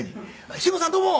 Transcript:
「慎吾さんどうも。